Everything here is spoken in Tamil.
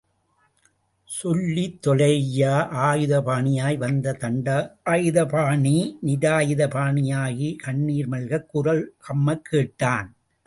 சொல்லி தொலய்யா... ஆயுதபாணியாய் வந்த தண்டாயுதபாணி நிராயுதபாணியாகி கண்ணிர் மல்கக் குரல் கம்மக் கேட்டான்.